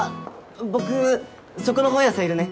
僕そこの本屋さんいるね。